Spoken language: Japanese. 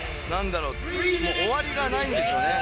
終わりがないんですよね